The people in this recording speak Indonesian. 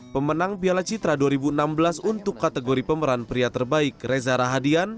pemenang piala citra dua ribu enam belas untuk kategori pemeran pria terbaik reza rahadian